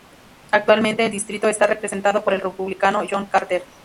Actualmente el distrito está representado por el Republicano John Carter.